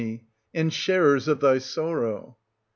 And sharers of thy sorrow.